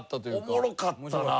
おもろかったな！